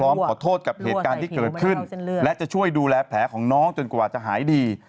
ขอโทษกับเหตุการณ์ที่เกิดขึ้นและจะช่วยดูแลแผลของน้องจนกว่าจะหายดี